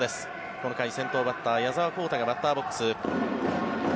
この回、先頭バッター矢澤宏太がバッターボックス。